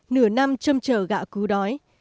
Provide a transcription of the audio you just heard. nửa năm châm trở gạo cứu đói